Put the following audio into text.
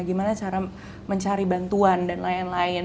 gimana cara mencari bantuan dan lain lain